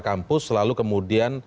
selalu selalu kemudian